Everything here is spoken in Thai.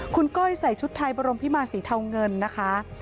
คุณก้อยใส่ชุดไทยบรมพิมารสีเทาเงินนะคะ